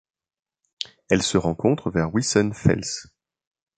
Elle se rencontre vers Wissenfels.